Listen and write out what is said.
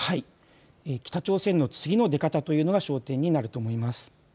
北朝鮮の次の出方というのが焦点になると思います。